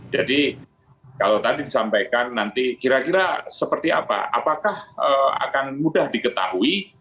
jadi kalau tadi disampaikan nanti kira kira seperti apa apakah akan mudah diketahui